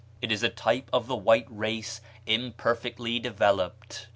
It is a type of the white race imperfectly developed."